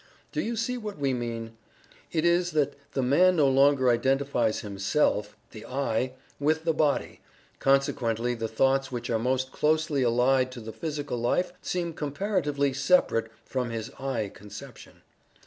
Do you see what we mean? It is that the man no longer identifies himself the "I" with the body, consequently the thoughts which are most closely allied to the physical life seem comparatively "separate" from his "I" conception.